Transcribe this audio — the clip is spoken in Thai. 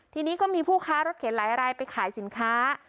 ทีนี้ก็มีผู้ค้ารถเข็นหลายรายไปขายสินค้า